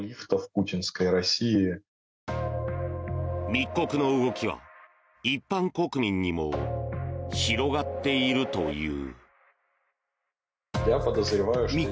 密告の動きは一般国民にも広がっているという。